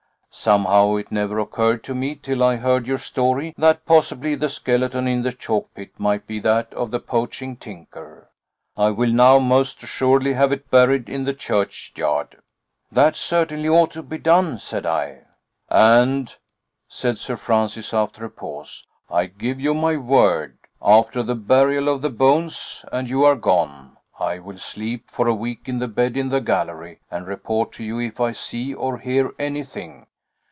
Somehow, it never occurred to me till I heard your story that possibly the skeleton in the chalk pit might be that of the poaching tinker. I will now most assuredly have it buried in the churchyard." "That certainly ought to be done," said I. "And " said Sir Francis, after a pause, "I give you my word. After the burial of the bones, and you are gone, I will sleep for a week in the bed in the gallery, and report to you if I see or hear anything.